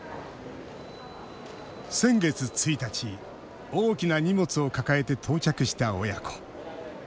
先月１日大きな荷物を抱えて到着した親子。